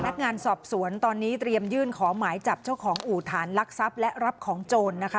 นักงานสอบสวนตอนนี้เตรียมยื่นขอหมายจับเจ้าของอู่ฐานลักทรัพย์และรับของโจรนะคะ